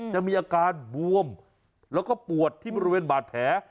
จะมีอาการบวมแล้วก็ปวดที่บริเวณบาดแผล